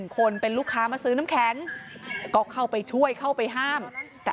คนเป็นลูกค้ามาซื้อน้ำแข็งก็เข้าไปช่วยเข้าไปห้ามแต่